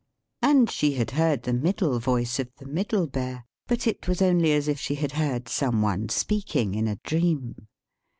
And she had heard the middle sized voice of the Middle Sized Bear, but it was only as if she had heard some one speaking in a dream.